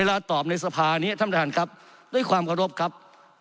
อันนี้ท่านประธานครับด้วยความกระโลกครับ